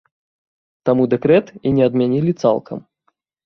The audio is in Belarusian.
Таму дэкрэт і не адмянілі цалкам.